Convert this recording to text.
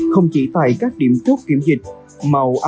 không chỉ tại các điểm chốt kiểm dịch màu áo xanh tình quyền